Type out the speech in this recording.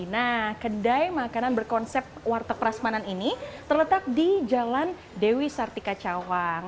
nah kedai makanan berkonsep warteg prasmanan ini terletak di jalan dewi sartika cawang